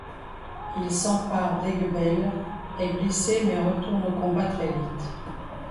Il s'empare d'Aiguebelle, est blessé mais retourne au combat très vite.